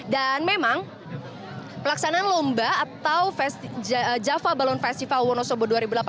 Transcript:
dan memang pelaksanaan lomba atau java balloon festival wonosobo dua ribu delapan belas